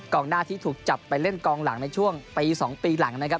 หน้าที่ถูกจับไปเล่นกองหลังในช่วงปี๒ปีหลังนะครับ